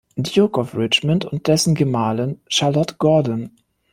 Duke of Richmond und dessen Gemahlin Charlotte Gordon.